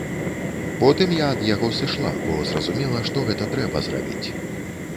Потым я ад яго сышла, бо зразумела, што гэта трэба зрабіць.